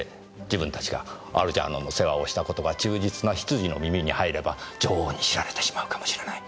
自分たちがアルジャーノンの世話をした事が忠実な執事の耳に入れば女王に知られてしまうかもしれない。